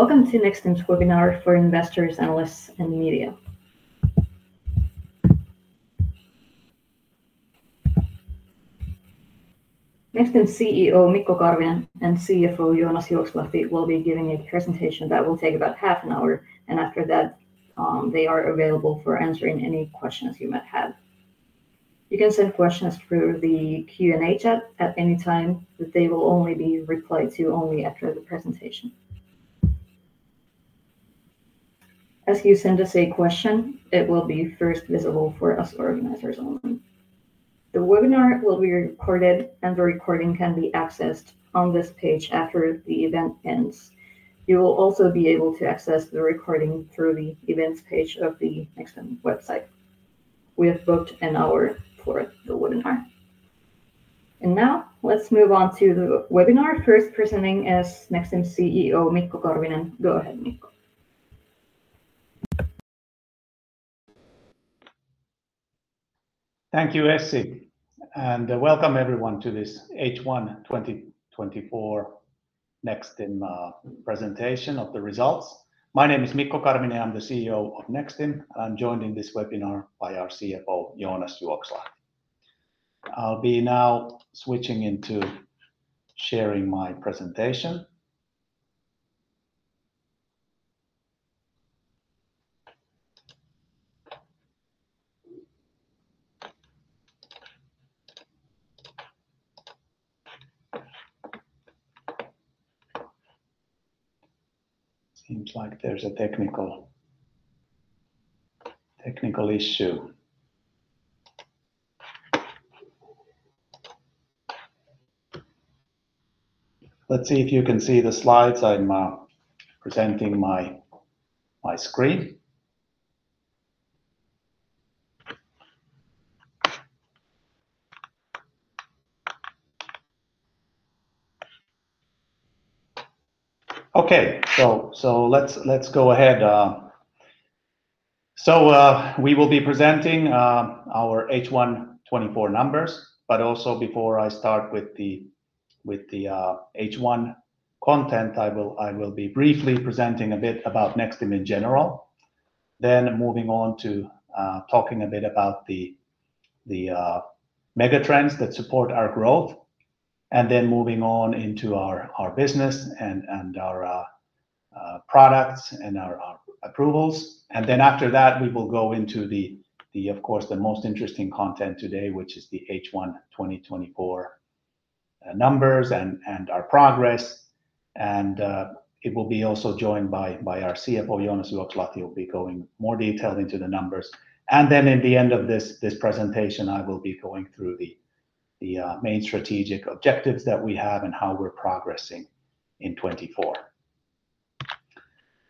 Welcome to Nexstim's webinar for investors, analysts, and media. Nexstim's CEO, Mikko Karvinen, and CFO, Joonas Juokslahti, will be giving a presentation that will take about half an hour, and after that, they are available for answering any questions you might have. You can send questions through the Q&A chat at any time, but they will only be replied to after the presentation. As you send us a question, it will be first visible for us organizers only. The webinar will be recorded, and the recording can be accessed on this page after the event ends. You will also be able to access the recording through the Events page of the Nexstim website. We have booked an hour for the webinar, and now, let's move on to the webinar. First presenting is Nexstim's CEO, Mikko Karvinen. Go ahead, Mikko Thank you, Essi, and welcome everyone to this H1 2024 Nexstim presentation of the results. My name is Mikko Karvinen, I'm the CEO of Nexstim, and I'm joined in this webinar by our CFO, Joonas Juokslahti. I'll be now switching into sharing my presentation. Seems like there's a technical issue. Let's see if you can see the slides. I'm presenting my screen. Okay, so let's go ahead. So, we will be presenting our H1 2024 numbers, but also before I start with the H1 content, I will be briefly presenting a bit about Nexstim in general, then moving on to talking a bit about the mega trends that support our growth, and then moving on into our business and our products and our approvals. And then after that, we will go into the, of course, the most interesting content today, which is the H1 2024 numbers and our progress, and it will be also joined by our CFO, Joonas Juokslahti, who will be going more detailed into the numbers. And then in the end of this presentation, I will be going through the main strategic objectives that we have and how we're progressing in 2024.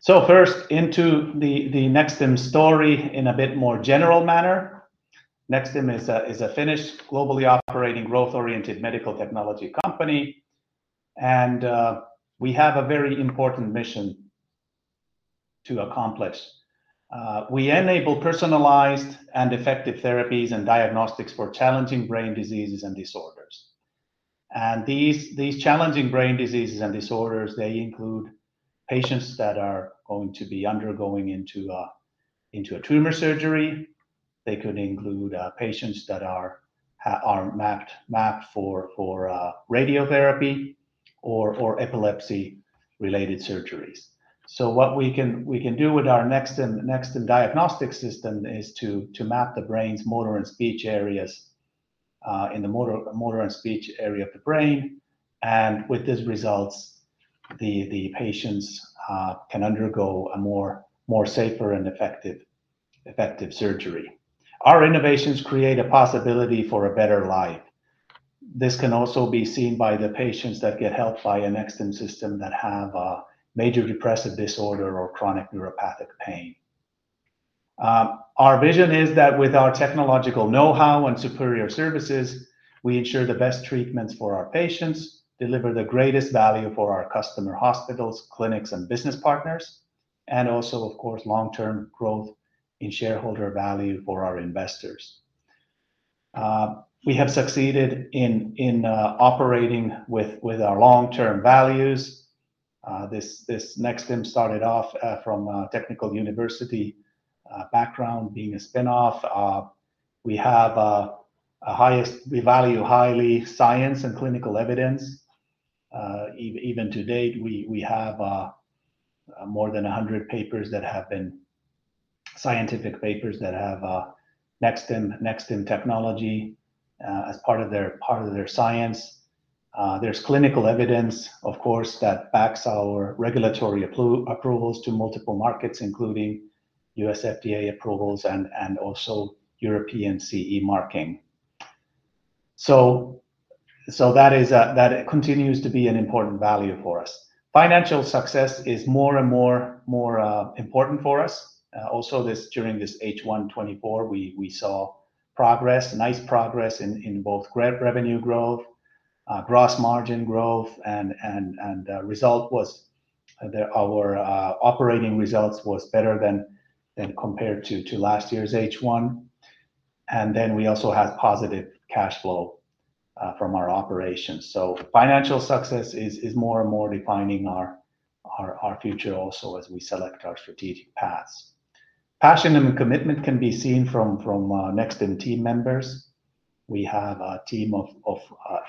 So first, into the Nexstim story in a bit more general manner. Nexstim is a Finnish, globally operating, growth-oriented medical technology company, and we have a very important mission to accomplish. We enable personalized and effective therapies and diagnostics for challenging brain diseases and disorders. These challenging brain diseases and disorders, they include patients that are going to be undergoing into a tumor surgery. They could include patients that are mapped for radiotherapy or epilepsy-related surgeries. What we can do with our Nexstim Diagnostics System is to map the brain's motor and speech areas in the motor and speech area of the brain, and with these results, the patients can undergo a more safer and effective surgery. Our innovations create a possibility for a better life. This can also be seen by the patients that get helped by a Nexstim system that have Major Depressive Disorder or Chronic Neuropathic Pain. Our vision is that with our technological know-how and superior services, we ensure the best treatments for our patients, deliver the greatest value for our customer hospitals, clinics, and business partners, and also, of course, long-term growth in shareholder value for our investors. We have succeeded in operating with our long-term values. This Nexstim started off from a technical university background being a spinoff. We value highly science and clinical evidence. Even to date, we have more than a hundred scientific papers that have Nexstim technology as part of their science. There's clinical evidence, of course, that backs our regulatory approvals to multiple markets, including U.S. FDA approvals and also European CE marking. So that continues to be an important value for us. Financial success is more and more important for us. Also during this H1 2024, we saw progress, nice progress in both revenue growth, gross margin growth, and the result was our operating results was better than compared to last year's H1. And then we also had positive cash flow from our operations. So financial success is more and more defining our future also as we select our strategic paths. Passion and commitment can be seen from Nexstim team members. We have a team of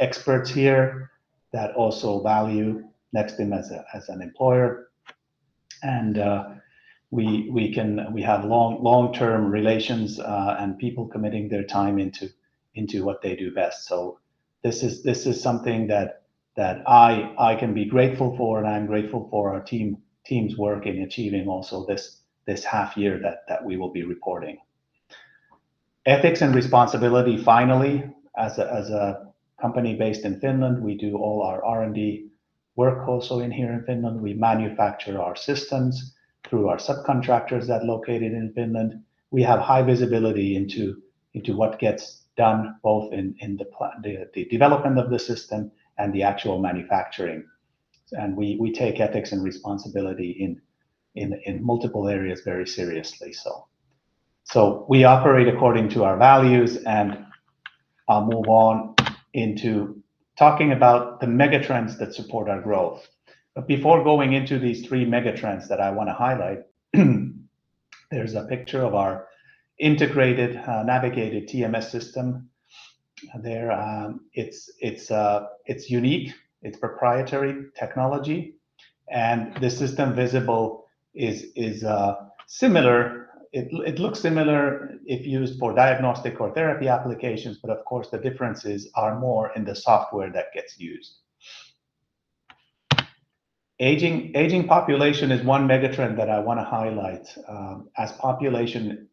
experts here that also value Nexstim as an employer. We have long-term relations and people committing their time into what they do best. This is something that I can be grateful for, and I'm grateful for our team's work in achieving also this half year that we will be reporting. Ethics and responsibility, finally, as a company based in Finland, we do all our R&D work also here in Finland. We manufacture our systems through our subcontractors that are located in Finland. We have high visibility into what gets done, both in the development of the system and the actual manufacturing. We take ethics and responsibility in multiple areas very seriously. So we operate according to our values, and I'll move on into talking about the megatrends that support our growth. But before going into these three megatrends that I want to highlight, there's a picture of our integrated navigated TMS system there. It's unique, it's proprietary technology, and the system visible is similar. It looks similar if used for diagnostic or therapy applications, but of course, the differences are more in the software that gets used. Aging population is one megatrend that I want to highlight. As population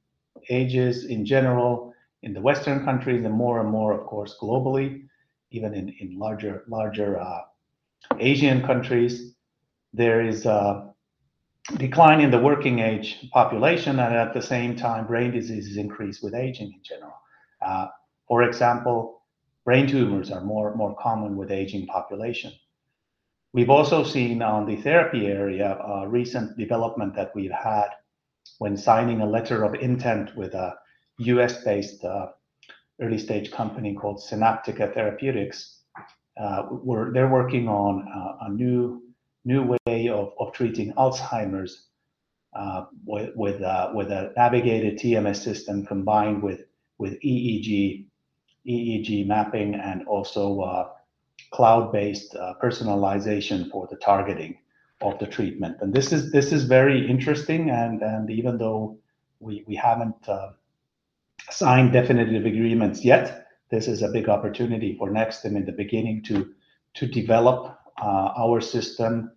ages in general in the Western countries, and more and more, of course, globally, even in larger Asian countries, there is a decline in the working age population, and at the same time, brain diseases increase with aging in general. For example, brain tumors are more common with aging population. We've also seen on the therapy area, a recent development that we've had when signing a letter of intent with a US-based early-stage company called Synaptica Therapeutics. They're working on a new way of treating Alzheimer's with a navigated TMS system combined with EEG mapping and also cloud-based personalization for the targeting of the treatment. This is very interesting, and even though we haven't signed definitive agreements yet, this is a big opportunity for Nexstim in the beginning to develop our system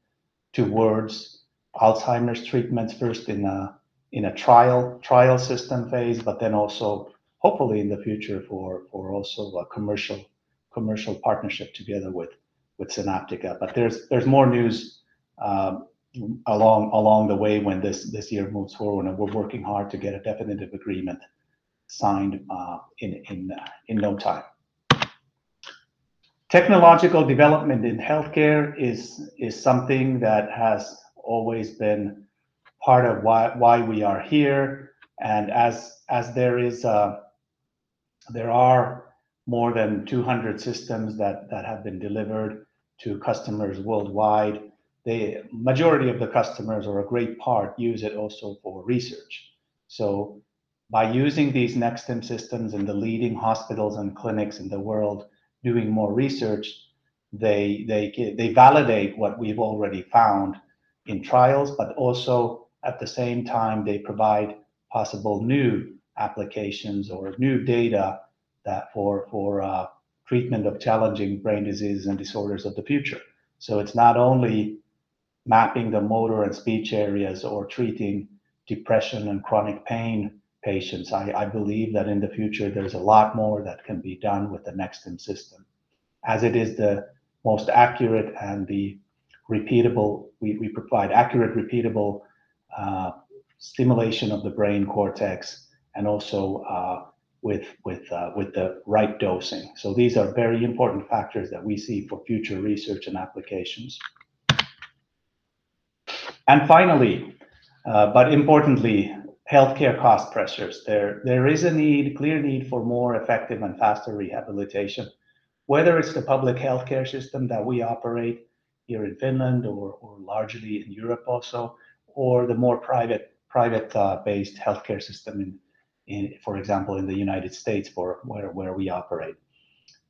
towards Alzheimer's treatments, first in a trial system phase, but then also hopefully in the future for a commercial partnership together with Synaptica. But there's more news along the way when this year moves forward, and we're working hard to get a definitive agreement signed in no time. Technological development in healthcare is something that has always been part of why we are here. And as there are more than 200 systems that have been delivered to customers worldwide, the majority of the customers or a great part use it also for research. So by using these Nexstim systems in the leading hospitals and clinics in the world, doing more research, they validate what we've already found in trials, but also at the same time, they provide possible new applications or new data that for treatment of challenging brain disease and disorders of the future. So it's not only mapping the motor and speech areas or treating depression and chronic pain patients. I believe that in the future, there's a lot more that can be done with the Nexstim system. As it is the most accurate and the repeatable. We provide accurate, repeatable stimulation of the brain cortex and also with the right dosing. So these are very important factors that we see for future research and applications. And finally, but importantly, healthcare cost pressures. There is a need, clear need for more effective and faster rehabilitation. Whether it's the public healthcare system that we operate here in Finland or largely in Europe also, or the more private based healthcare system in, for example, in the United States, where we operate.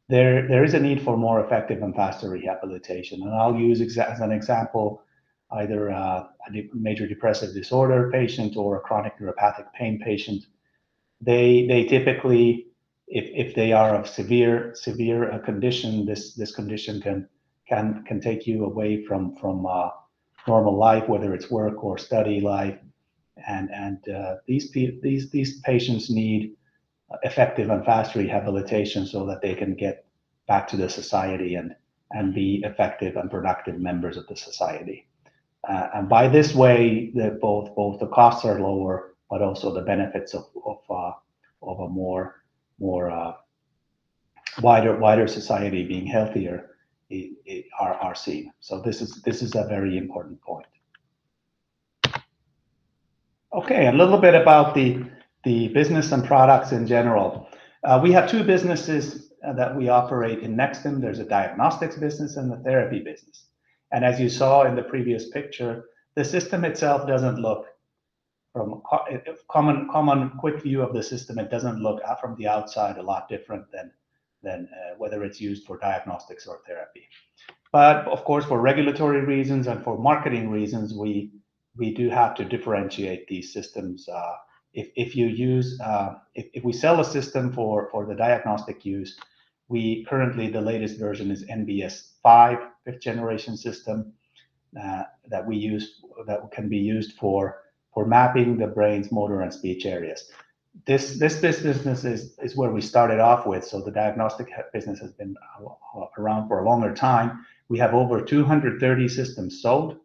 There is a need for more effective and faster rehabilitation, and I'll use as an example, either a major depressive disorder patient or a chronic neuropathic pain patient. They typically, if they are of severe condition, this condition can take you away from normal life, whether it's work or study life, and these patients need effective and fast rehabilitation so that they can get back to the society and be effective and productive members of the society, and by this way, both the costs are lower, but also the benefits of a more wider society being healthier are seen. So this is a very important point. Okay, a little bit about the business and products in general. We have two businesses that we operate in Nexstim. There's a diagnostics business and a therapy business, and as you saw in the previous picture, the system itself doesn't look from a common quick view of the system. It doesn't look from the outside a lot different than whether it's used for diagnostics or therapy. But of course, for regulatory reasons and for marketing reasons, we do have to differentiate these systems. If we sell a system for the diagnostic use, we currently, the latest version is NBS 5, fifth generation system that we use that can be used for mapping the brain's motor and speech areas. This business is where we started off with, so the diagnostic business has been around for a longer time. We have over two hundred and thirty systems sold,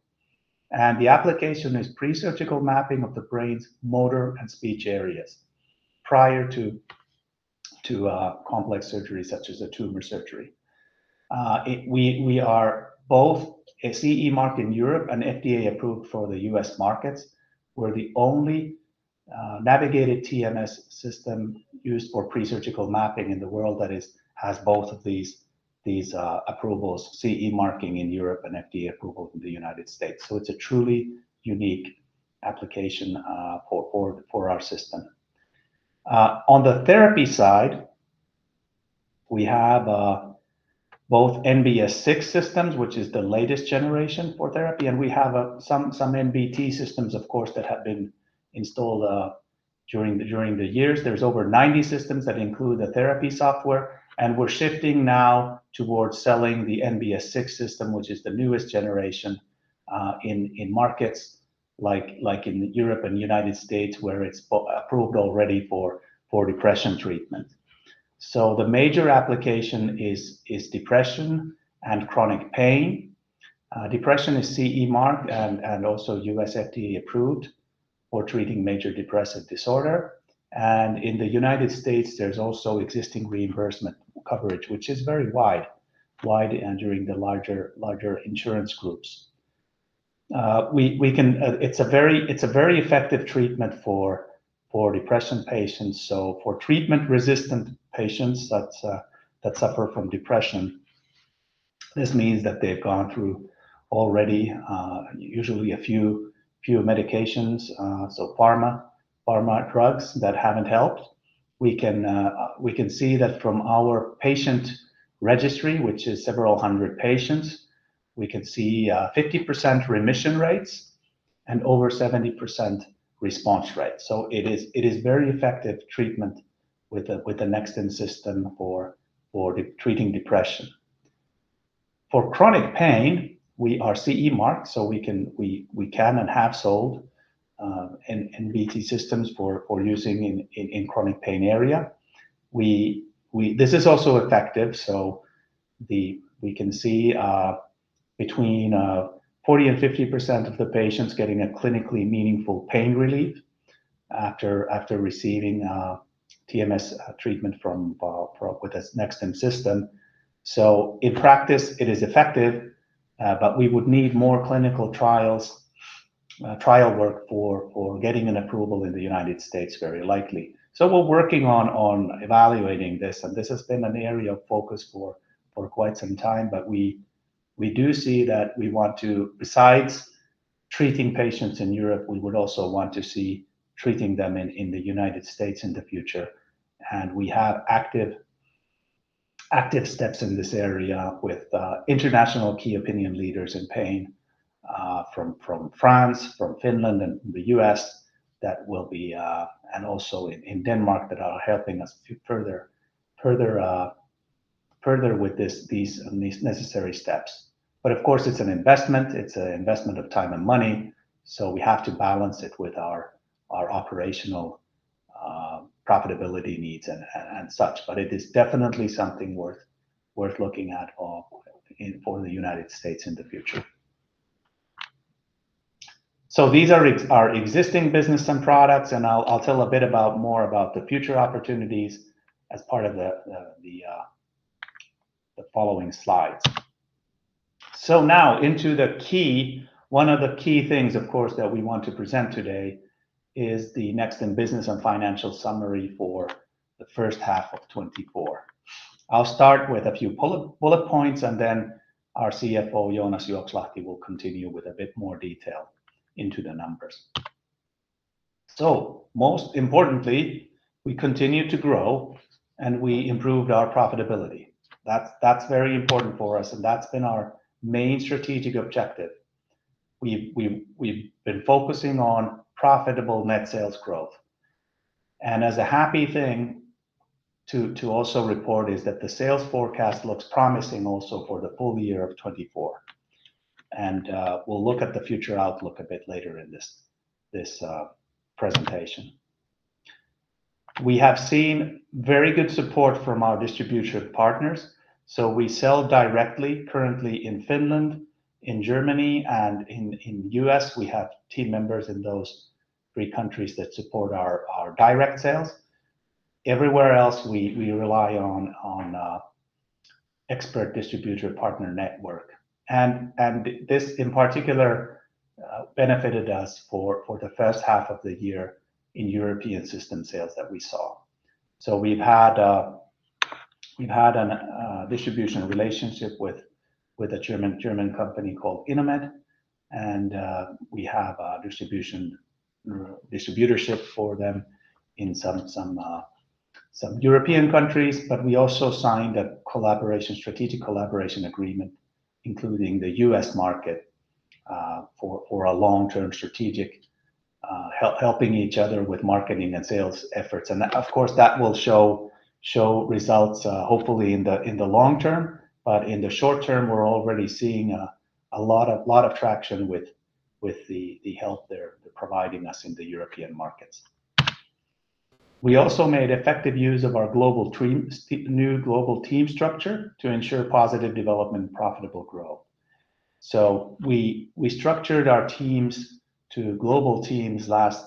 and the application is pre-surgical mapping of the brain's motor and speech areas prior to complex surgeries such as a tumor surgery. We are both a CE Mark in Europe and FDA approved for the U.S. markets. We're the only navigated TMS system used for pre-surgical mapping in the world that has both of these approvals, CE marking in Europe and FDA approval in the United States. So it's a truly unique application for our system. On the therapy side, we have both NBS 6 systems, which is the latest generation for therapy, and we have some NBT systems, of course, that have been installed during the years. There's over ninety systems that include the therapy software, and we're shifting now towards selling the NBS 6 system, which is the newest generation, in markets like in Europe and the United States, where it's been approved already for depression treatment. So the major application is depression and chronic pain. Depression is CE mark and also U.S. FDA approved for treating major depressive disorder. And in the United States, there's also existing reimbursement coverage, which is very wide, and among the larger insurance groups. It's a very effective treatment for depression patients. So for treatment-resistant patients that suffer from depression, this means that they've gone through already, usually a few medications, so pharma drugs that haven't helped. We can see that from our patient registry, which is several hundred patients. We can see 50% remission rates and over 70% response rate. It is very effective treatment with the Nexstim system for treating depression. For chronic pain, we are CE mark, so we can and have sold NBT systems for using in chronic pain area. This is also effective, so we can see between 40 and 50% of the patients getting a clinically meaningful pain relief after receiving TMS treatment with the Nexstim system. In practice, it is effective, but we would need more clinical trials, trial work for getting an approval in the United States, very likely. So we're working on evaluating this, and this has been an area of focus for quite some time. But we do see that we want to, besides treating patients in Europe, we would also want to see treating them in the United States in the future. And we have active steps in this area with international key opinion leaders in pain from France, from Finland, and the U.S. that will be and also in Denmark, that are helping us to further with these necessary steps. But of course, it's an investment. It's an investment of time and money, so we have to balance it with our operational profitability needs and such. But it is definitely something worth looking at in for the United States in the future. So these are our existing business and products, and I'll tell a bit more about the future opportunities as part of the following slides. So now one of the key things, of course, that we want to present today is the Nexstim business and financial summary for the first half of 2024. I'll start with a few bullet points, and then our CFO, Joonas Juokslahti, will continue with a bit more detail into the numbers. So most importantly, we continued to grow, and we improved our profitability. That's very important for us, and that's been our main strategic objective. We've been focusing on profitable net sales growth. And as a happy thing to also report is that the sales forecast looks promising also for the full-year of 2024. We'll look at the future outlook a bit later in this presentation. We have seen very good support from our distribution partners, so we sell directly currently in Finland, in Germany, and in U.S. We have team members in those three countries that support our direct sales. Everywhere else, we rely on expert distributor partner network. This in particular benefited us for the first half of the year in European system sales that we saw. So we've had an distribution relationship with a German company called Inomed, and we have a distributorship for them in some European countries. But we also signed a collaboration, strategic collaboration agreement, including the U.S. market, for a long-term strategic helping each other with marketing and sales efforts. Of course, that will show results, hopefully in the long term, but in the short term, we're already seeing a lot of traction with the help they're providing us in the European markets. We also made effective use of our global teams, new global team structure to ensure positive development and profitable growth. We structured our teams to global teams last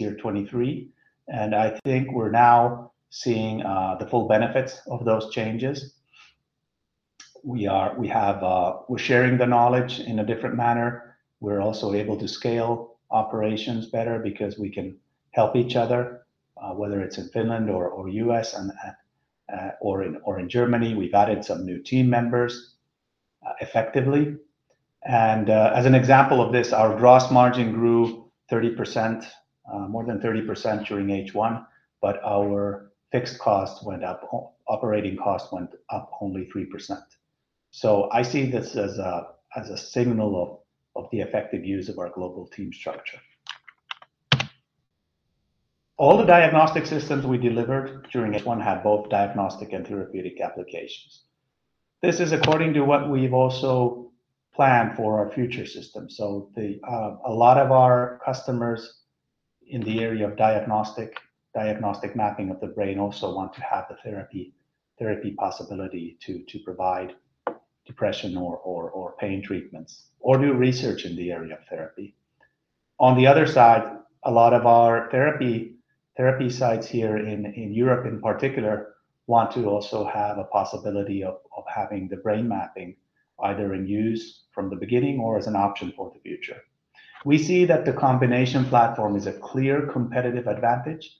year, 2023, and I think we're now seeing the full benefits of those changes. We're sharing the knowledge in a different manner. We're also able to scale operations better because we can help each other, whether it's in Finland or U.S., or in Germany. We've added some new team members effectively. As an example of this, our gross margin grew 30%, more than 30% during H1, but our fixed cost went up, operating cost went up only 3%. So I see this as a signal of the effective use of our global team structure. All the diagnostic systems we delivered during H1 had both diagnostic and therapeutic applications. This is according to what we've also planned for our future system. So, a lot of our customers in the area of diagnostic mapping of the brain also want to have the therapy possibility to provide depression or pain treatments, or do research in the area of therapy. On the other side, a lot of our therapy sites here in Europe in particular want to also have a possibility of having the brain mapping, either in use from the beginning or as an option for the future. We see that the combination platform is a clear competitive advantage,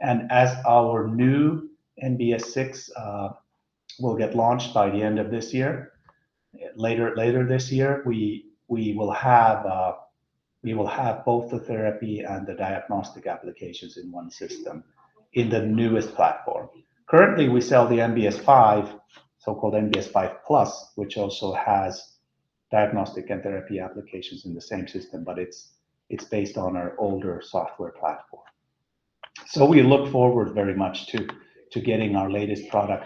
and as our new NBS 6 will get launched by the end of this year, later this year, we will have both the therapy and the diagnostic applications in one system in the newest platform. Currently, we sell the NBS 5, so-called NBS 5 Plus, which also has diagnostic and therapy applications in the same system, but it's based on our older software platform so we look forward very much to getting our latest product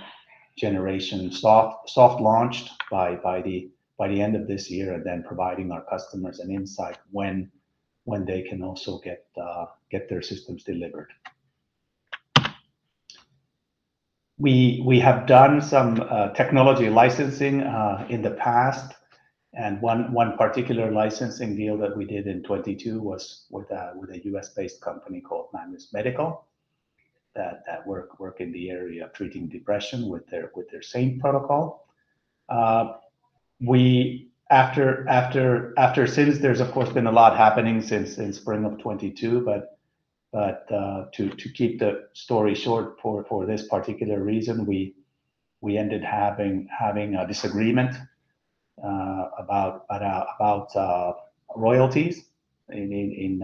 generation soft launched by the end of this year, and then providing our customers an insight when they can also get their systems delivered. We have done some technology licensing in the past, and one particular licensing deal that we did in 2022 was with a U.S.-based company called Magnus Medical, that work in the area of treating depression with their same protocol. Since there's, of course, been a lot happening since spring of 2022, but to keep the story short for this particular reason, we ended having a disagreement about royalties in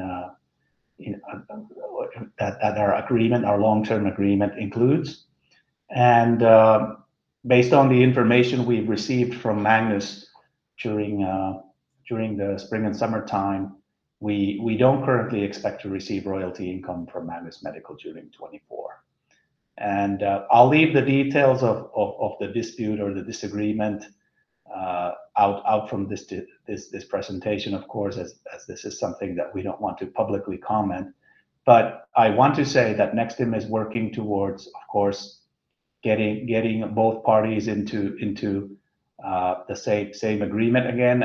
that our agreement, our long-term agreement includes, and based on the information we've received from Magnus during the spring and summer time, we don't currently expect to receive royalty income from Magnus Medical during 2024, and I'll leave the details of the dispute or the disagreement out from this presentation, of course, as this is something that we don't want to publicly comment. But I want to say that Nexstim is working towards, of course, getting both parties into the same agreement again,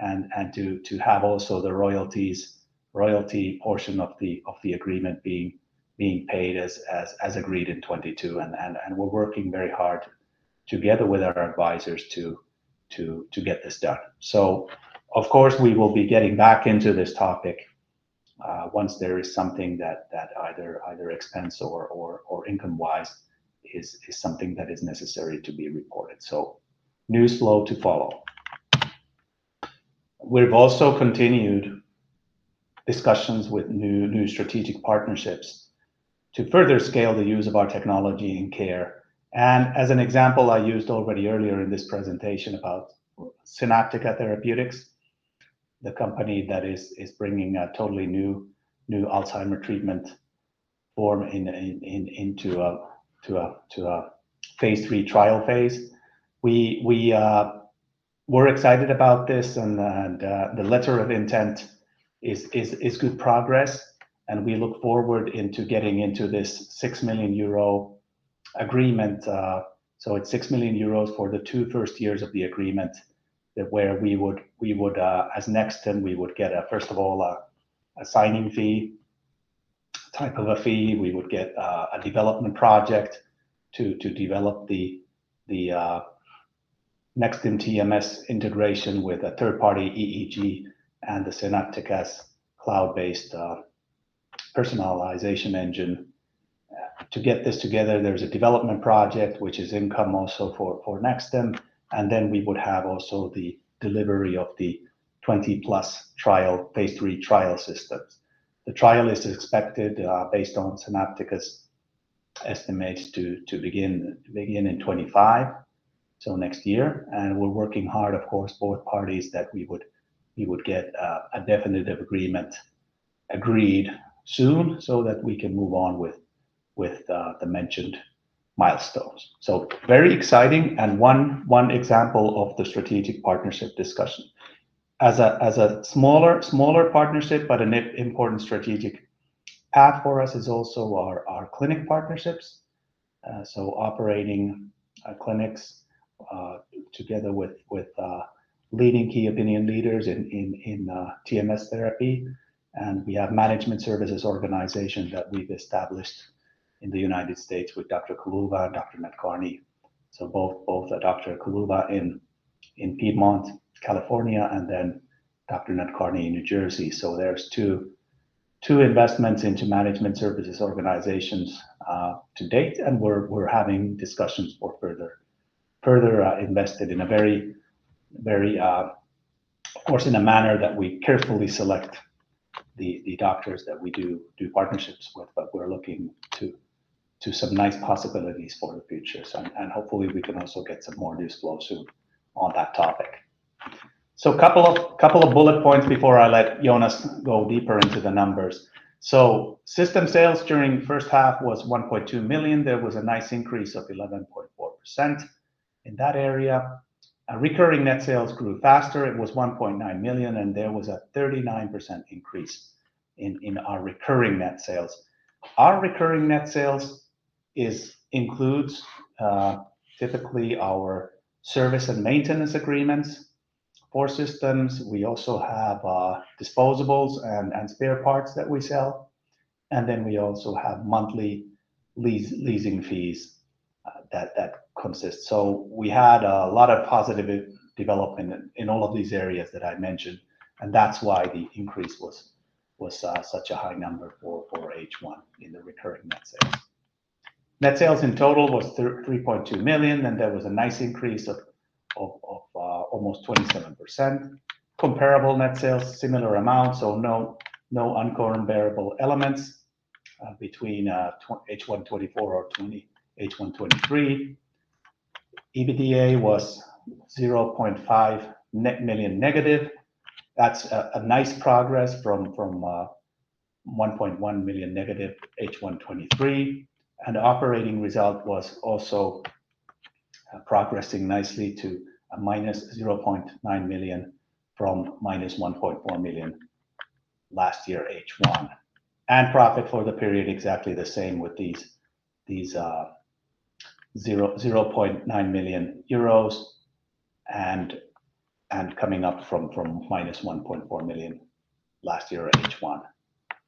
and to have also the royalty portion of the agreement being paid as agreed in 2022. And we're working very hard together with our advisors to get this done. So of course, we will be getting back into this topic once there is something that either expense or income-wise is something that is necessary to be reported. So news flow to follow. We've also continued discussions with new strategic partnerships to further scale the use of our technology in care. As an example, I used already earlier in this presentation about Synaptica Therapeutics, the company that is bringing a totally new Alzheimer treatment form into a phase III trial phase. We're excited about this, and the letter of intent is good progress, and we look forward into getting into this 6 million euro agreement. So it's 6 million euros for the two first years of the agreement, where we would, as Nexstim, we would get, first of all, a signing fee type of a fee. We would get a development project to develop the Nexstim TMS integration with a third-party EEG and the Synaptica's cloud-based personalization engine. To get this together, there's a development project, which is income also for Nexstim, and then we would have also the delivery of the 20-plus trial, phase three trial systems. The trial is expected, based on Synaptica estimates, to begin in 2025, so next year. And we're working hard, of course, both parties, that we would get a definitive agreement agreed soon so that we can move on with the mentioned milestones. So very exciting and one example of the strategic partnership discussion. As a smaller partnership, but an important strategic path for us is also our clinic partnerships. So operating clinics together with leading key opinion leaders in TMS therapy. And we have management services organization that we've established in the United States with Dr. Kuluva and Dr. Nadkarni. So both are Dr. Kuluva in Piedmont, California, and then Dr. Nadkarni in New Jersey. So there's two investments into management services organizations to date, and we're having discussions for further investments, of course, in a manner that we carefully select the doctors that we do partnerships with, but we're looking to some nice possibilities for the future. And hopefully we can also get some more news flow soon on that topic. A couple of bullet points before I let Joonas go deeper into the numbers. System sales during the first half was 1.2 million. There was a nice increase of 11.4% in that area. Recurring net sales grew faster. It was 1.9 million, and there was a 39% increase in our recurring net sales. Our recurring net sales includes typically our service and maintenance agreements for systems. We also have disposables and spare parts that we sell, and then we also have monthly leasing fees that consist. So we had a lot of positive development in all of these areas that I mentioned, and that's why the increase was such a high number for H1 in the recurring net sales. Net sales in total was 3.2 million, and there was a nice increase of almost 27%. Comparable net sales, similar amounts, so no incomparable elements between H1 2024 and H1 2023. EBITDA was 0.5 million negative. That's a nice progress from 1.1 million negative H1 2023, and operating result was also progressing nicely to -0.9 million from -1.4 million last year H1. Profit for the period was exactly the same with these 0.9 million euros, and coming up from 1.4 million last year H1.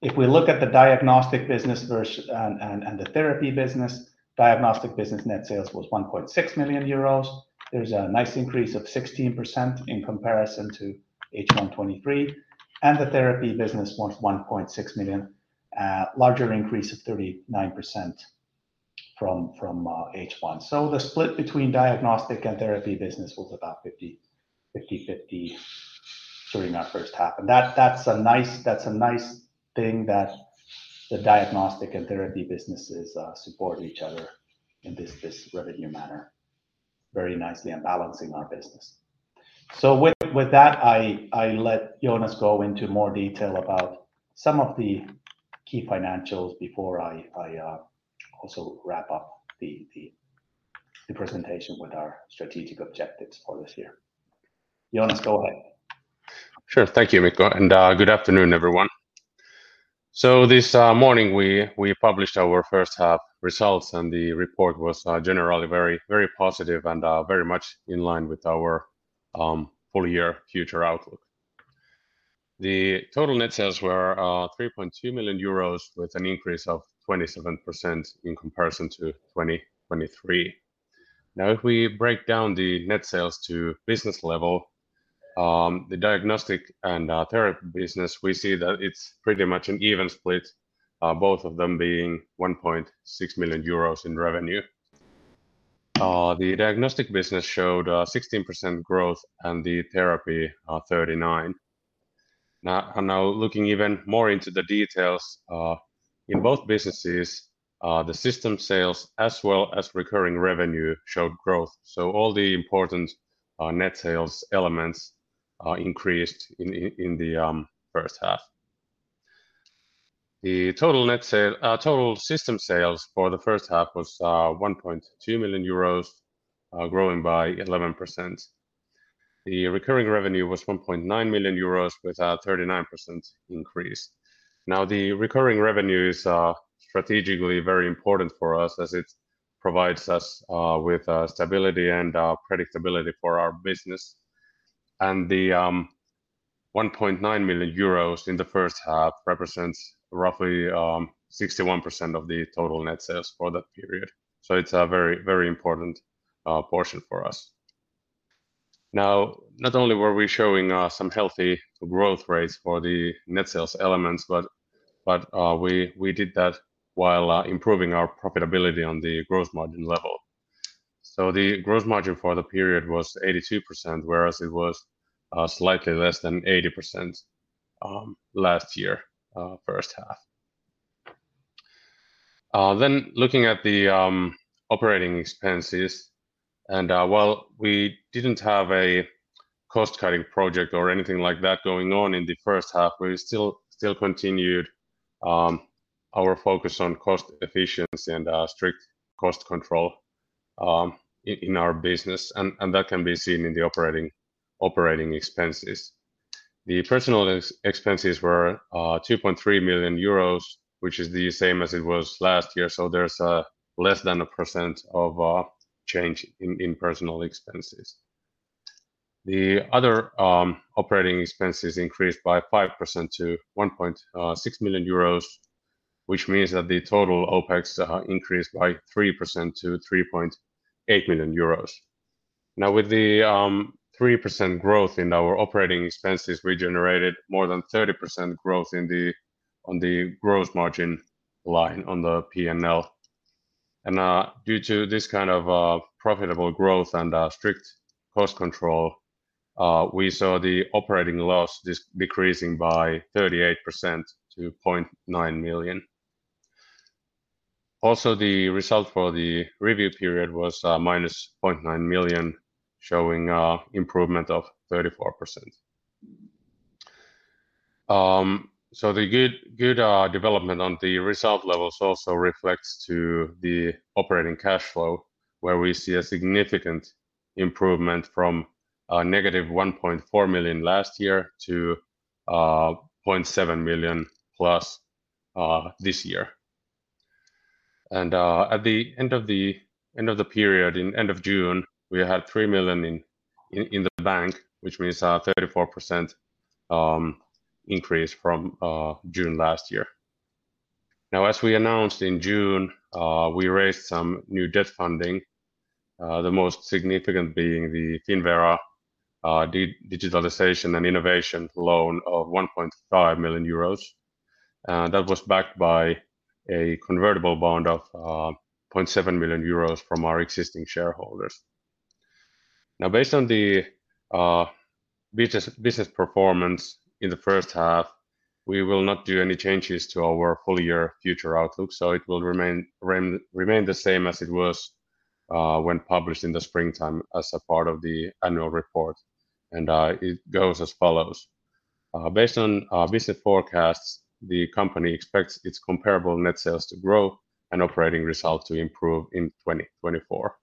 If we look at the diagnostic business versus and the therapy business, diagnostic business net sales was 1.6 million euros. There's a nice increase of 16% in comparison to H1 2023, and the therapy business was 1.6 million, larger increase of 39% from H1 2023. So the split between diagnostic and therapy business was about 50/50 during our first half. And that, that's a nice thing that the diagnostic and therapy businesses support each other in this revenue manner very nicely and balancing our business. So with that, I let Joonas go into more detail about some of the key financials before I also wrap up the presentation with our strategic objectives for this year. Joonas, go ahead. Sure. Thank you, Mikko, and good afternoon, everyone. So this morning we published our first half results, and the report was generally very, very positive and very much in line with our full-year future outlook. The total net sales were 3.2 million euros, with an increase of 27% in comparison to 2023. Now, if we break down the net sales to business level, the diagnostic and therapy business, we see that it's pretty much an even split, both of them being 1.6 million euros in revenue. The diagnostic business showed 16% growth and the therapy 39%. Now, looking even more into the details, in both businesses, the system sales as well as recurring revenue showed growth. So all the important net sales elements are increased in the first half. The total net sale-- total system sales for the first half was 1.2 million euros, growing by 11%. The recurring revenue was 1.9 million euros, with a 39% increase. Now, the recurring revenues are strategically very important for us as it provides us with stability and predictability for our business... and the 1.9 million euros in the first half represents roughly 61% of the total net sales for that period. So it's a very, very important portion for us. Now, not only were we showing some healthy growth rates for the net sales elements, but we did that while improving our profitability on the gross margin level. The gross margin for the period was 82%, whereas it was slightly less than 80% last year's first half. Looking at the operating expenses, while we didn't have a cost-cutting project or anything like that going on in the first half, we still continued our focus on cost efficiency and strict cost control in our business. That can be seen in the operating expenses. The personnel expenses were 2.3 million euros, which is the same as it was last year. There is less than 1% change in personnel expenses. The other operating expenses increased by 5% to 1.6 million euros, which means that the total OpEx increased by 3% to 3.8 million euros. Now, with the 3% growth in our operating expenses, we generated more than 30% growth on the gross margin line on the P&L. And due to this kind of profitable growth and strict cost control, we saw the operating loss decreasing by 38% to 0.9 million. Also, the result for the review period was minus 0.9 million, showing improvement of 34%. So the good development on the result levels also reflects to the operating cash flow, where we see a significant improvement from -1.4 million last year to 0.7 million this year. At the end of the period, in June, we had three million EUR in the bank, which means a 34% increase from June last year. Now, as we announced in June, we raised some new debt funding, the most significant being the Finnvera digitalization and innovation loan of 1.5 million euros. That was backed by a convertible bond of 0.7 million euros from our existing shareholders. Now, based on the business performance in the first half, we will not do any changes to our full-year future outlook, so it will remain the same as it was when published in the springtime as a part of the annual report, and it goes as follows: "Based on our business forecasts, the company expects its comparable net sales to grow and operating results to improve in 2024."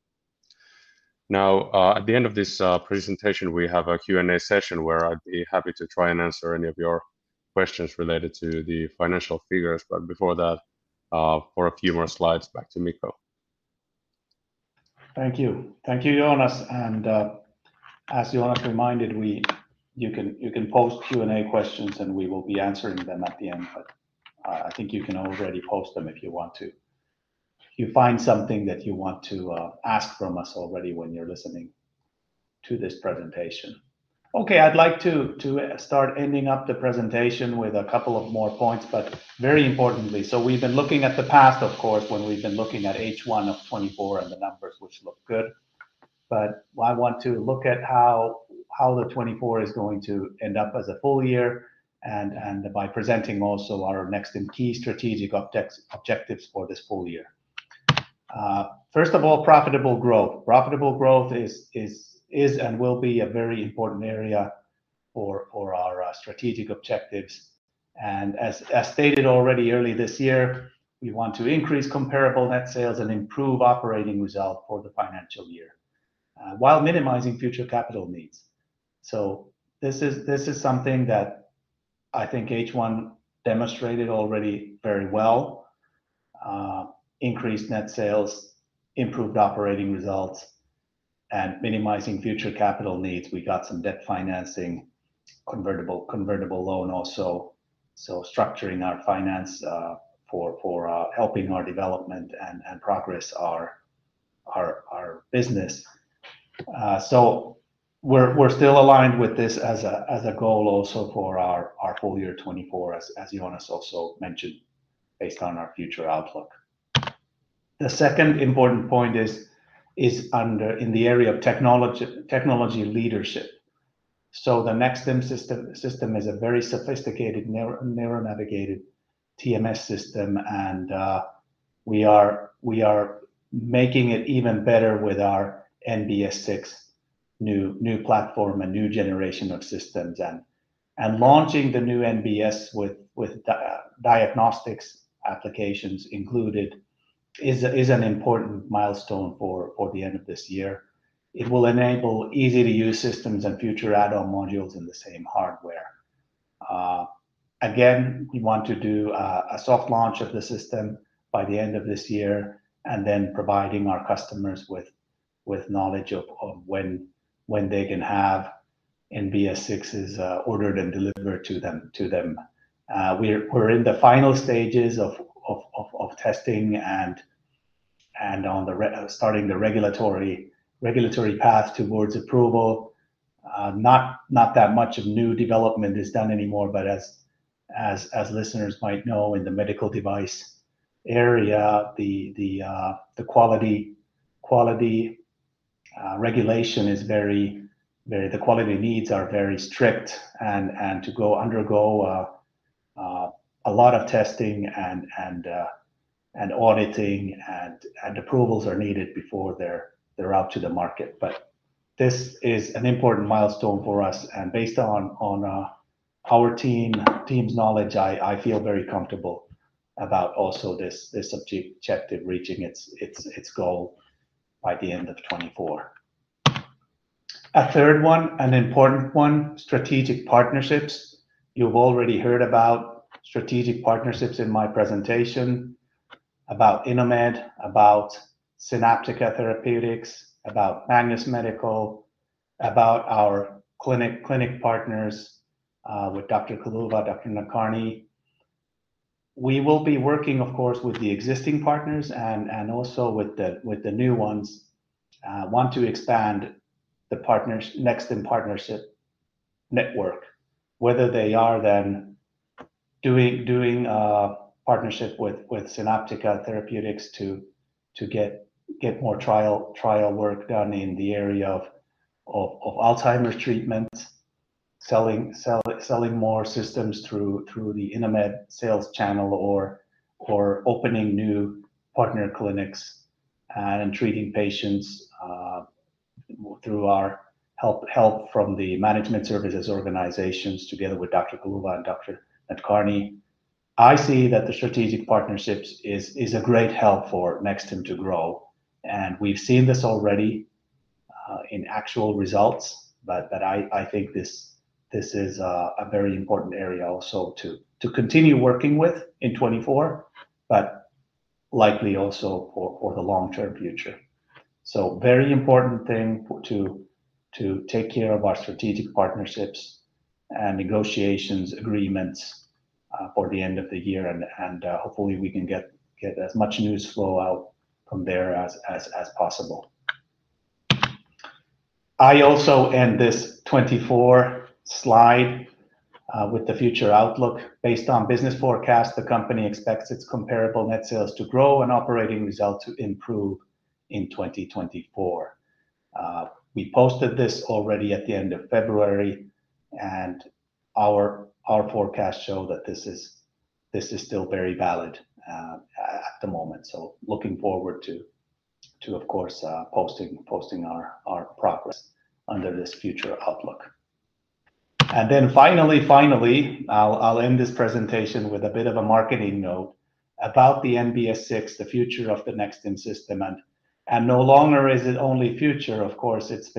Now, at the end of this presentation, we have a Q&A session, where I'd be happy to try and answer any of your questions related to the financial figures, but before that, for a few more slides, back to Mikko. Thank you. Thank you, Joonas, and, as Joonas reminded, we- you can, you can post Q&A questions, and we will be answering them at the end. But, I think you can already post them if you want to. If you find something that you want to, ask from us already when you're listening to this presentation. Okay, I'd like to, to start ending up the presentation with a couple of more points, but very importantly, so we've been looking at the past, of course, when we've been looking at H1 of 2024 and the numbers, which look good. But I want to look at how, the 2024 is going to end up as a full-year, and, by presenting also our next and key strategic object- objectives for this full-year. First of all, profitable growth. Profitable growth is and will be a very important area for our strategic objectives. And as stated already early this year, we want to increase comparable net sales and improve operating results for the financial year while minimizing future capital needs. So this is something that I think H1 demonstrated already very well. Increased net sales, improved operating results, and minimizing future capital needs. We got some debt financing, convertible loan also. So structuring our finance for helping our development and progress our business. So we're still aligned with this as a goal also for our full-year 2024, as Joonas also mentioned, based on our future outlook. The second important point is in the area of technology leadership. So the Nexstim system is a very sophisticated neuronavigated TMS system, and we are making it even better with our NBS 6 new platform and new generation of systems. And launching the new NBS with diagnostic applications included is an important milestone for the end of this year. It will enable easy-to-use systems and future add-on modules in the same hardware. Again, we want to do a soft launch of the system by the end of this year, and then providing our customers with knowledge of when they can have NBS 6s ordered and delivered to them. We're in the final stages of testing and restarting the regulatory path towards approval. Not that much of new development is done anymore, but as listeners might know, in the medical device area, the quality regulation is very strict, and the quality needs are very strict and to undergo a lot of testing and auditing and approvals are needed before they're out to the market. But this is an important milestone for us, and based on our team's knowledge, I feel very comfortable about also this objective reaching its goal by the end of 2024. A third one, an important one, strategic partnerships. You've already heard about strategic partnerships in my presentation, about Inomed, about Synaptica Therapeutics, about Magnus Medical, about our clinic partners with Dr. Kuluva, Dr. Nadkarni. We will be working, of course, with the existing partners and also with the new ones. Want to expand the Nexstim partnership network, whether they are then doing partnership with Synaptica Therapeutics to get more trial work done in the area of Alzheimer's treatments, selling more systems through the Inomed sales channel, or opening new partner clinics and treating patients through our help from the management services organizations, together with Dr. Kuluva and Dr. Nadkarni. I see that the strategic partnerships is a great help for Nexstim to grow, and we've seen this already in actual results, but I think this is a very important area also to continue working with in 2024, but likely also for the long-term future. Very important thing to take care of our strategic partnerships and negotiations, agreements, for the end of the year, and hopefully we can get as much news flow out from there as possible. I also end this 24-slide with the future outlook. Based on business forecast, the company expects its comparable net sales to grow and operating results to improve in 2024. We posted this already at the end of February, and our forecasts show that this is still very valid at the moment. Looking forward to, of course, posting our progress under this future outlook. Finally, I'll end this presentation with a bit of a marketing note about the NBS 6, the future of the Nexstim system. No longer is it only future, of course. It's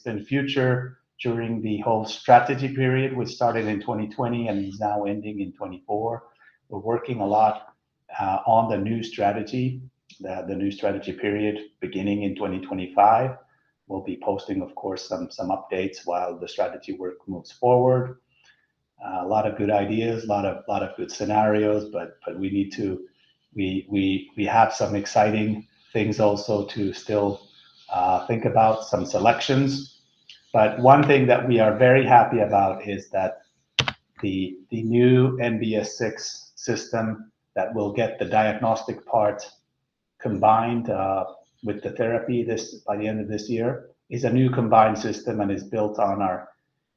been future during the whole strategy period, which started in 2020 and is now ending in 2024. We're working a lot on the new strategy, the new strategy period, beginning in 2025. We'll be posting, of course, some updates while the strategy work moves forward. A lot of good ideas, a lot of good scenarios, but we need to. We have some exciting things also to still think about, some selections. But one thing that we are very happy about is that the new NBS 6 system, that will get the diagnostic part combined with the therapy, by the end of this year, is a new combined system and is built on our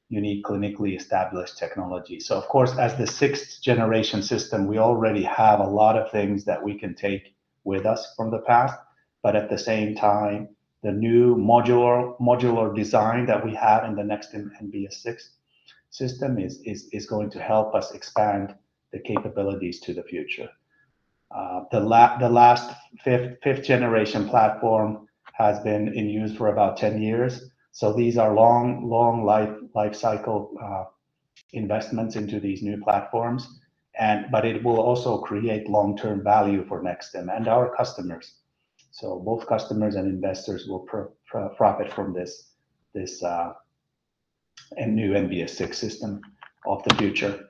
unique, clinically established technology. Of course, as the sixth generation system, we already have a lot of things that we can take with us from the past, but at the same time, the new modular design that we have in the Nexstim NBS 6 system is going to help us expand the capabilities to the future. The last fifth generation platform has been in use for about 10 years, so these are long life cycle investments into these new platforms, but it will also create long-term value for Nexstim and our customers. Both customers and investors will profit from this new NBS 6 system of the future.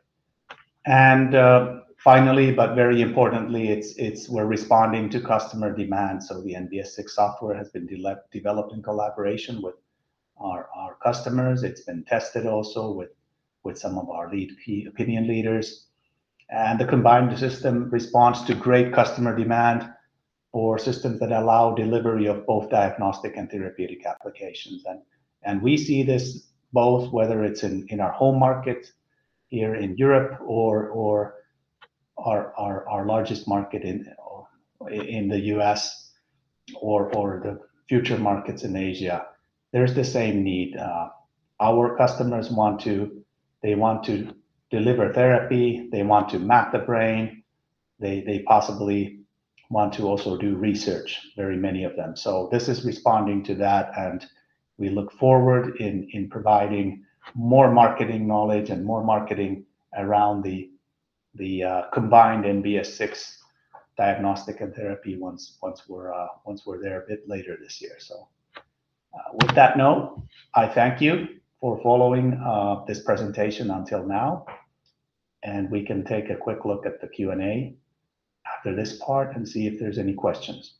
Finally, but very importantly, we're responding to customer demand. The NBS 6 software has been developed in collaboration with our customers. It's been tested also with some of our leading opinion leaders. And the combined system responds to great customer demand for systems that allow delivery of both diagnostic and therapeutic applications. And we see this both, whether it's in our home market here in Europe or our largest market in the U.S., or the future markets in Asia. There's the same need. Our customers want to deliver therapy, they want to map the brain. They possibly want to also do research, very many of them. So this is responding to that, and we look forward to providing more marketing knowledge and more marketing around the combined NBS 6 diagnostic and therapy once we're there a bit later this year. So with that note, I thank you for following this presentation until now, and we can take a quick look at the Q&A after this part and see if there's any questions.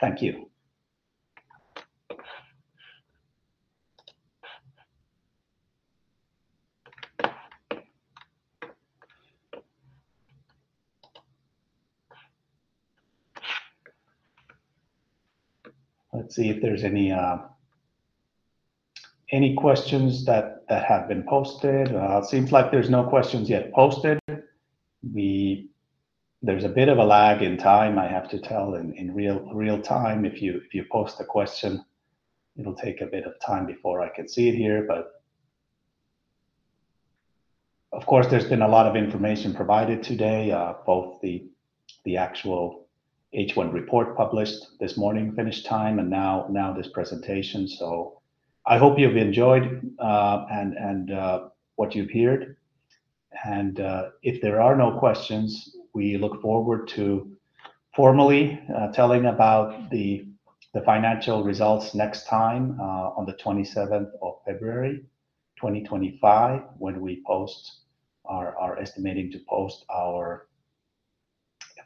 Thank you. Let's see if there's any questions that have been posted. It seems like there's no questions yet posted. There's a bit of a lag in time, I have to tell, in real time. If you post a question, it'll take a bit of time before I can see it here. But of course, there's been a lot of information provided today, both the actual H1 report published this morning, Finnish time, and now this presentation. So I hope you've enjoyed what you've heard. If there are no questions, we look forward to formally telling about the financial results next time on the 27th of February, 2025, when we post... are estimating to post our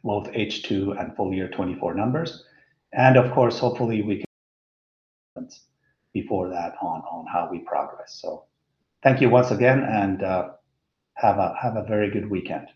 both H2 and full-year 2024 numbers. And of course, hopefully we before that on how we progress. So thank you once again, and have a very good weekend.